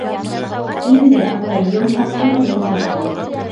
Һин дә, атай, йомшаҡ торҙоң ул саҡта.